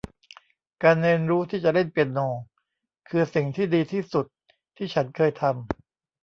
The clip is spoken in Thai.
การเรียนรู้ที่จะเล่นเปียโน คือสิ่งที่ดีที่สุดที่ฉันเคยทำ